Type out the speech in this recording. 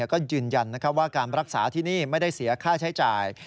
ก็ยืนยันว่าการรักษาที่นี่ไม่ได้เสียค่าใช้จ่าย